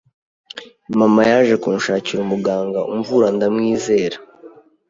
mama yaje kunshakira umuganga umvura ndamwizera